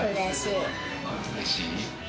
うれしい？